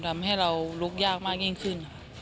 ทำให้เราลุกยากมากยิ่งขึ้นค่ะ